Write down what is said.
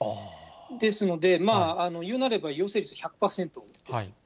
ですので、いうなれば陽性率１００％です。